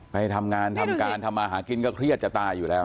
ไปทำงานทำการทำมาหากินก็เครียดจะตายอยู่แล้ว